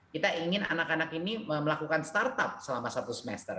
kita ingin anak anak ini melakukan startup selama satu semester